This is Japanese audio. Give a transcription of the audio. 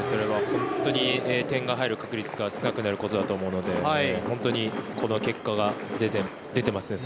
本当に点が入る確率が少なくなることだと思うので本当にこの結果が出てますね。